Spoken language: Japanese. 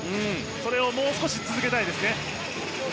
それをもう少し続けたいですね。